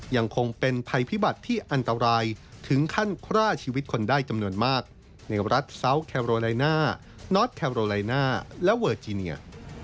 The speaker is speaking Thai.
ยังคงเป็นภัยพิบัติที่อันตราย